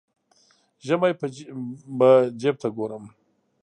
ژمی به جیب ته ګورم.